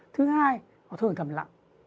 thứ hai là thường thầm lặng